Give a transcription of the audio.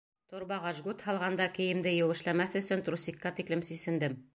Торбаға жгут һалғанда кейемде еүешләмәҫ өсөн трусикка тиклем сисендем.